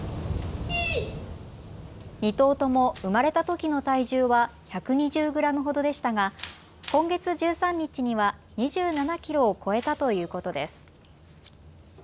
２頭とも生まれたときの体重は１２０グラムほどでしたが今月１３日には２７キロを超えたということです。